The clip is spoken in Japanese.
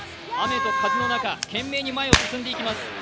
雨と風の中、懸命に前を進んでいきます。